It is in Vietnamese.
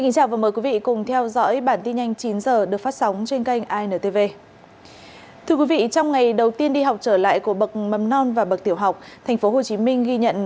các bạn hãy đăng ký kênh để ủng hộ kênh của chúng mình nhé